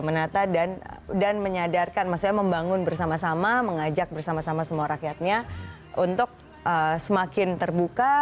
menata dan dan menyadarkan maksudnya membangun bersama sama mengajak bersama sama semua rakyatnya untuk semakin terbuka